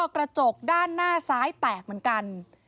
กระจกด้านหน้าซ้ายแตกเหมือนกัน